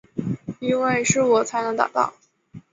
因为是我才能达成